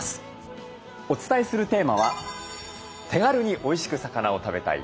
お伝えするテーマは「手軽においしく魚を食べたい！